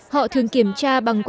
họ thường kiểm tra bằng quen